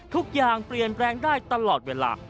ทุกอย่างเปลี่ยนแปลงได้ตลอดเวลา